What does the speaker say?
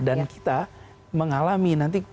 dan kita mengalami nanti